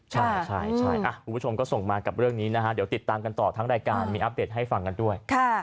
ใช่คุณผู้ชมก็ส่งมากับเรื่องนี้นะฮะเดี๋ยวติดตามกันต่อทั้งรายการมีอัปเดตให้ฟังกันด้วย